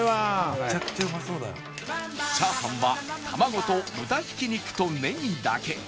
チャーハンは卵と豚挽き肉とネギだけ！